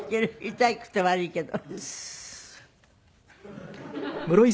痛くて悪いけど。